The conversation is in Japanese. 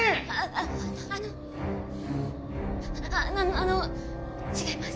ああの違います。